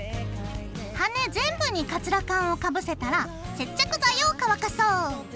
羽根全部にカツラカンをかぶせたら接着剤を乾かそう。